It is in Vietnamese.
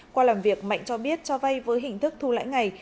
qua làm việc mạnh cho biết cho vay với hình thức thu lãi ngày